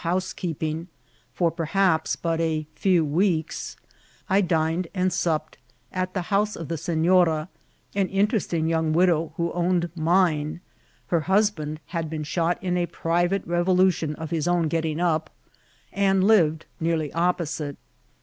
housekeeping for perhaps but a few weeks, I dined and supped at the house of the seSora, an interesting young widow who owned mine (her husband had been shot in a private revolution of his own getting up), and lived nearly opposite.